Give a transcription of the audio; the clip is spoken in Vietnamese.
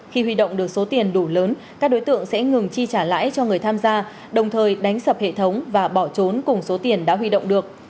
khi huy động được số tiền đủ lớn các đối tượng sẽ ngừng chi trả lãi cho người tham gia đồng thời đánh sập hệ thống và bỏ trốn cùng số tiền đã huy động được